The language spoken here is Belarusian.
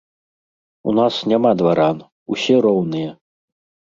У нас няма дваран, усе роўныя!